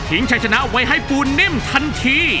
ทิ้งชักชนะไว้ให้ฟูนิ่มทันที